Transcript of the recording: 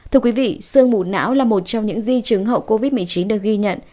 thưa quý vị sương mù não là một trong những di chứng hậu covid một mươi chín được ghi nhận